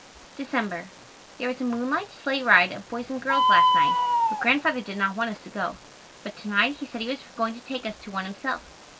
December. There was a moonlight sleigh ride of boys and girls last night, but Grandfather did not want us to go, but to night he said he was going to take us to one himself.